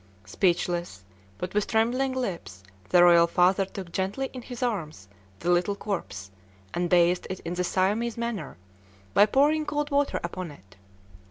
Speechless, but with trembling lips, the royal father took gently in his arms the little corpse, and bathed it in the Siamese manner, by pouring cold water upon it.